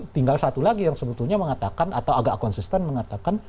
tinggal satu lagi yang sebetulnya mengatakan atau agak konsisten mengatakan